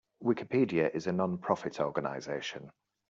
Wikipedia is a non-profit organization.